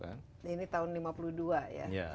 ini tahun seribu sembilan ratus lima puluh dua ya